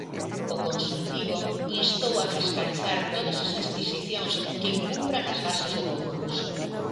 O Consultivo instou a fiscalizar todas as adquisicións que incumpran as bases do concurso.